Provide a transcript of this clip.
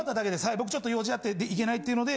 僕ちょっと用事あって行けないっていうので。